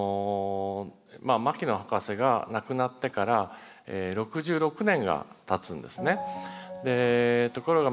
牧野博士が亡くなってから６６年がたつんですね。